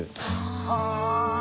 はあ。